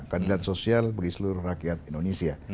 keadilan sosial bagi seluruh rakyat indonesia